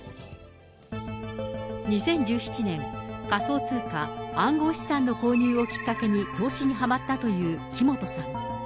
２０１７年、仮想通貨、暗号資産の購入をきっかけに投資にはまったという木本さん。